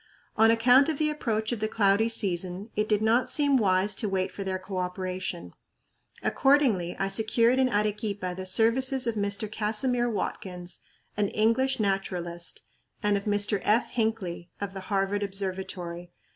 On account of the approach of the cloudy season it did not seem wise to wait for their coöperation. Accordingly, I secured in Arequipa the services of Mr. Casimir Watkins, an English naturalist, and of Mr. F. Hinckley, of the Harvard Observatory.